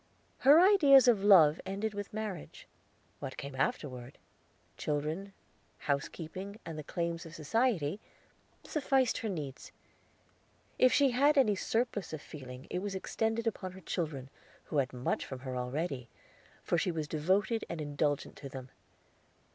Her ideas of love ended with marriage; what came afterward children, housekeeping, and the claims of society sufficed her needs. If she had any surplus of feeling it was expended upon her children, who had much from her already, for she was devoted and indulgent to them.